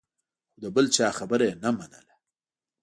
خو د بل چا خبره یې نه منله.